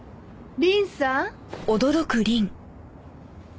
凛さん。